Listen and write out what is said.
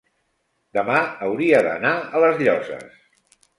demà hauria d'anar a les Llosses.